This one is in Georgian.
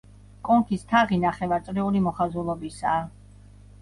კონქის თაღი ნახევარწრიული მოხაზულობისაა.